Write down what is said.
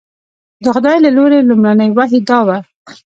د خدای له لوري لومړنۍ وحي دا وه.